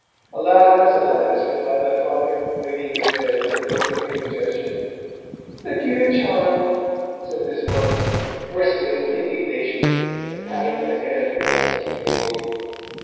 'Alas! alas!' replied my Father, waving his hand with a deprecating gesture. 'The dear child!' said Miss Marks, bristling with indignation, and patting my hand across the tea table.